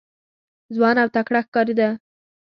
ځوان او تکړه ښکارېده.